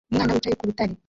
Umwana wicaye ku rutare